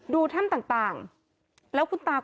ถ้ำต่างแล้วคุณตา